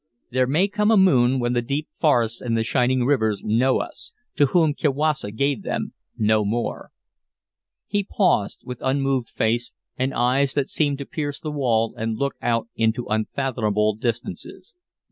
There may come a moon when the deep forests and the shining rivers know us, to whom Kiwassa gave them, no more." He paused, with unmoved face, and eyes that seemed to pierce the wall and look out into unfathomable distances.